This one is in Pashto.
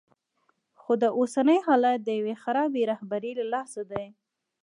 خو دا اوسنی حالت د یوې خرابې رهبرۍ له لاسه دی.